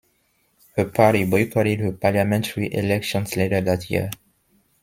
The party boycotted the parliamentary elections later that year.